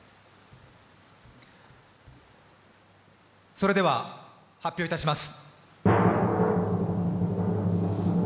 それでは発表いたします。